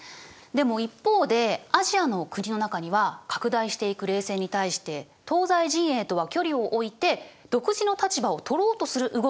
でも一方でアジアの国の中には拡大していく冷戦に対して東西陣営とは距離を置いて独自の立場を取ろうとする動きが見られたの。